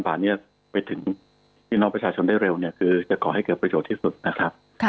ไปถึงที่น้องประชาชนได้เร็วจะก่อให้เกิดประโยชน์ที่สุดนะครับ